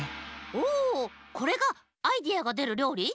おこれがアイデアがでるりょうり？